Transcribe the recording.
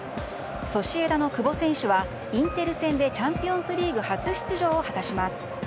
ソシエダの久保選手はインテル戦でチャンピオンズリーグ初出場を果たします。